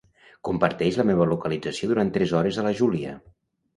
Comparteix la meva localització durant tres hores a la Júlia.